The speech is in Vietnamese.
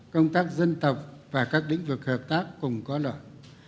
công tác dân tộc và các lĩnh vực hợp tác cùng có lợi